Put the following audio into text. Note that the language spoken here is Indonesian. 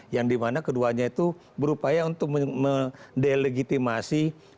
yang dimana keduanya itu berupaya untuk me delegitimasi